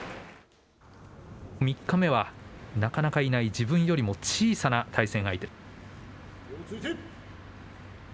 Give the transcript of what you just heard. ３日目は、なかなかいない自分よりも小さな対戦相手。